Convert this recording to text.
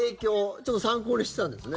ちょっと参考にしてたんですね。